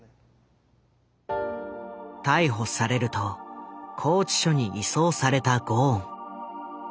逮捕されると拘置所に移送されたゴーン。